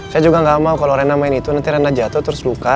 saya juga gak mau kalau rena main itu nanti rena jatuh terus luka